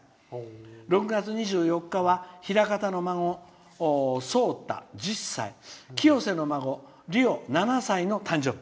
６月２４日は枚方の孫そうた、１０歳清瀬の孫、りお、７歳の誕生日。